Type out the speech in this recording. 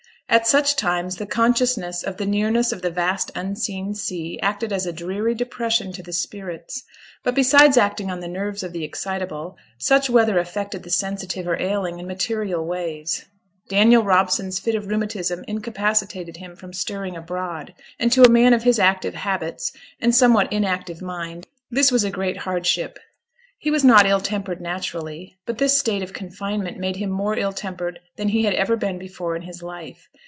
At such times the consciousness of the nearness of the vast unseen sea acted as a dreary depression to the spirits; but besides acting on the nerves of the excitable, such weather affected the sensitive or ailing in material ways. Daniel Robson's fit of rheumatism incapacitated him from stirring abroad; and to a man of his active habits, and somewhat inactive mind, this was a great hardship. He was not ill tempered naturally, but this state of confinement made him more ill tempered than he had ever been before in his life.